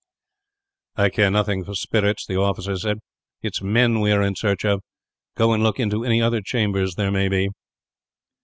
"I care nothing for spirits," the officer said. "It is men we are in search of. Go and look into any other chambers there may be."